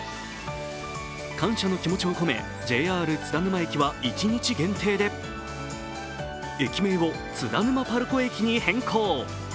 感謝の気持ちを込めＪＲ津田沼駅は一日限定で駅名をつだぬまパルコ駅に変更。